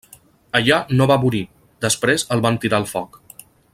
Allà no va morir; després el van tirar al foc.